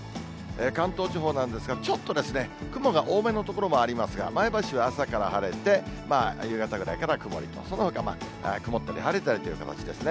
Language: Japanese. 関東地方なんですが、ちょっとですね、雲が多めの所もありますが、前橋は朝から晴れて、夕方ぐらいから曇りと、そのほか、曇ったり晴れたりという感じですね。